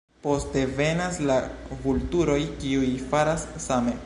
Poste venas la vulturoj kiuj faras same.